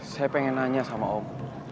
saya pengen nanya sama om